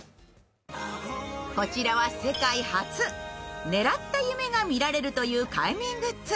こちらは世界初、狙った夢が見られるという快眠グッズ。